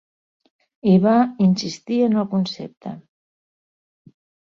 I va insistir en el concepte.